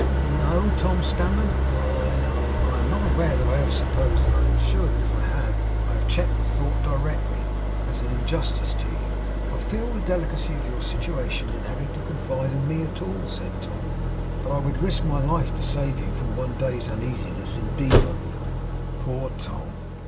'No,' Tom stammered, 'I I am not aware that I ever supposed that. I am sure that if I have, I have checked the thought directly, as an injustice to you. I feel the delicacy of your situation in having to confide in me at all,' said Tom, 'but I would risk my life to save you from one day's uneasiness; indeed I would!' Poor Tom!